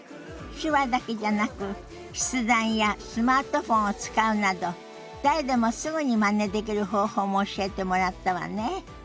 手話だけじゃなく筆談やスマートフォンを使うなど誰でもすぐにまねできる方法も教えてもらったわね。